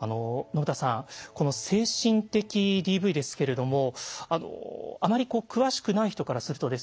信田さんこの精神的ＤＶですけれどもあまり詳しくない人からするとですね